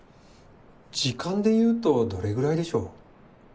時間で言うとどれぐらいでしょう？